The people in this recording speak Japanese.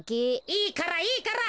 いいからいいから。